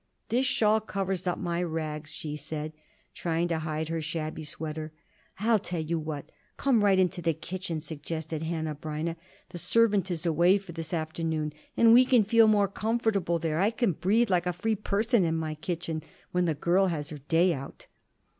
"This shawl covers up my rags," she said, trying to hide her shabby sweater. "I'll tell you what; come right into the kitchen," suggested Hanneh Breineh. "The servant is away for this afternoon, and we can feel more comfortable there. I can breathe like a free person in my kitchen when the girl has her day out."